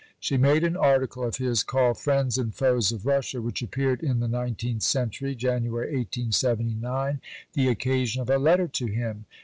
She made an article of his, called "Friends and Foes of Russia," which appeared in the Nineteenth Century (January 1879), the occasion of a letter to him.